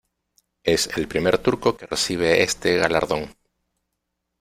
Es el primer turco que recibe este galardón.